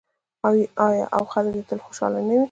آیا او خلک دې یې تل خوشحاله نه وي؟